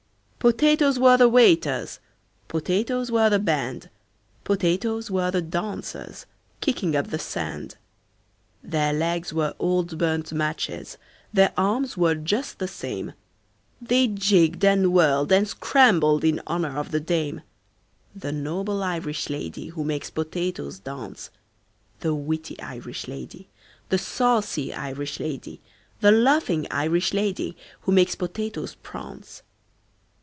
"Potatoes were the waiters, Potatoes were the band, Potatoes were the dancers Kicking up the sand: Their legs were old burnt matches, Their arms were just the same, They jigged and whirled and scrambled In honor of the dame: The noble Irish lady Who makes potatoes dance, The witty Irish lady, The saucy Irish lady, The laughing Irish lady Who makes potatoes prance.